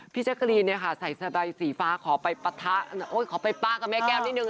พี่เจ๊กรีนใส่สะใบสีฟ้าขอไปปลากับแม่แก้วนิดหนึ่ง